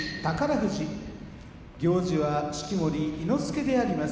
富士行司は式守伊之助であります。